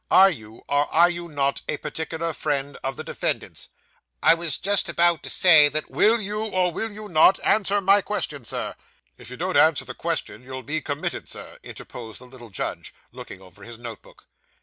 Are you, or are you not, a particular friend of the defendant's?' 'I was just about to say, that ' 'Will you, or will you not, answer my question, Sir?' If you don't answer the question, you'll be committed, Sir,' interposed the little judge, looking over his note book.